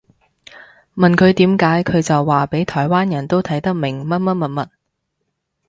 問佢點解佢就話畀台灣人都睇得明乜乜物物